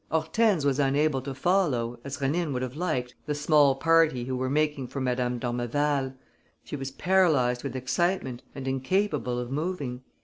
Hortense was unable to follow, as Rénine would have liked, the small party who were making for Madame d'Ormeval; she was paralysed with excitement and incapable of moving.